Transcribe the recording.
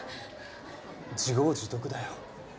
自業自得だよ。